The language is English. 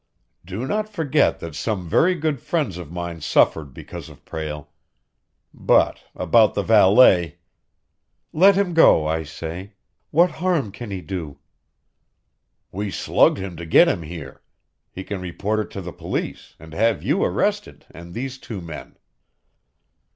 "Do not forget that some very good friends of mine suffered because of Prale. But, about the valet " "Let him go, I say. What harm can he do?" "We slugged him to get him here. He can report it to the police, and have you arrested, and these two men."